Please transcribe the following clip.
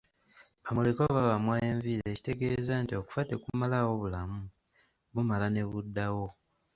Ba mulekwa babamwa enviiri ekitegeeza nti okufa tekumalaawo bulamu, bumala ne buddawo